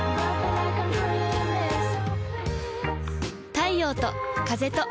太陽と風と